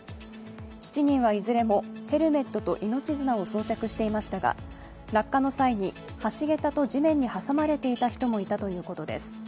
７人はいずれもヘルメットと命綱を装着していましたが、落下の際に橋桁と地面に挟まれていた人もいたということです。